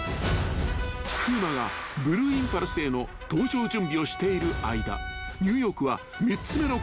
［風磨がブルーインパルスへの搭乗準備をしている間ニューヨークは］